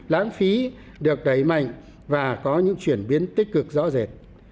lãng phí được đẩy mạnh và có những chuyển biến tích cực rõ rệt